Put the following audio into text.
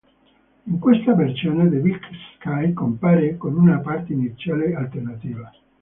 In questa versione "The Big Sky" compare con una parte iniziale alternativa.